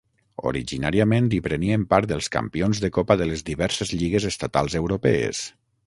Originàriament hi prenien part els campions de copa de les diverses lligues estatals europees.